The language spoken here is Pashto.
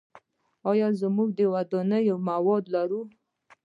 آیا موږ د ودانیو مواد لرو؟